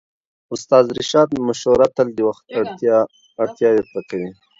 د استاد رشاد مشوره تل د وخت اړتياوې پوره کوي.